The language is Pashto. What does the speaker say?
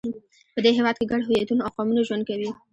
په دې هېواد کې ګڼ هویتونه او قومونه ژوند کوي.